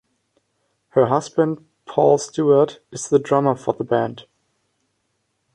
Her husband Paul Stewart is the drummer for the band.